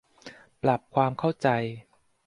ปรับความเข้าใจ